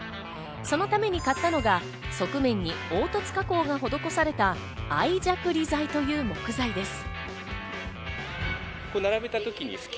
そのために買ったのが側面に凹凸加工が施された相ジャクリ材という木材です。